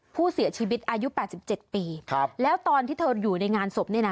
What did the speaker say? ผู้เสียชีวิตอายุ๘๗ปีครับแล้วตอนที่เธออยู่ในงานศพเนี่ยนะ